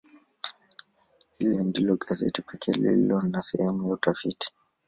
Hili ndilo gazeti pekee lililo na sehemu ya utafiti.